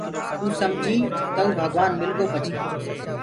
توٚ سمجيٚ تئو ڀگوآن مِلگو پڇي